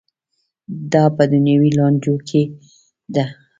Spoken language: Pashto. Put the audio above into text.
دا په دنیوي لانجو کې ده.